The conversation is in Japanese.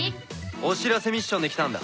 お知らせミッションで来たんだ。